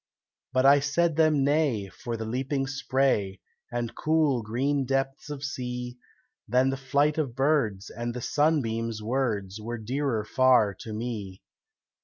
But I said them nay, for the leaping spray, And cool, green depths of sea, Than the flight of birds and the sunbeams' words Were dearer far to me.